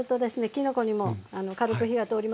きのこにも軽く火が通りますし。